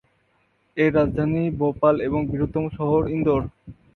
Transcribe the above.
এর রাজধানী ভোপাল এবং বৃহত্তম শহর ইন্দোর।